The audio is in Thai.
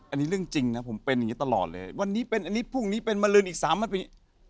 อันนี้เรื่องจริงนะผมเป็นอย่างนี้ตลอดเลยวันนี้เป็นอันนี้พรุ่งนี้เป็นมาลืนอีกสามพันปี